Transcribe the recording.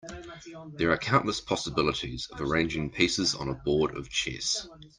There are countless possibilities of arranging pieces on a board of chess.